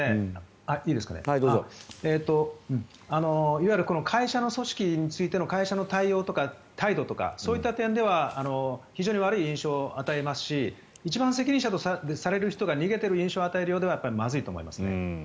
いわゆる会社の組織についての会社の対応とか態度とかそういった点では非常に悪い印象を与えますし一番責任者とされる人が逃げている印象を与えるのはやっぱりまずいと思いますね。